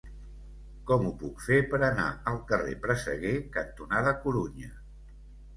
Com ho puc fer per anar al carrer Presseguer cantonada Corunya?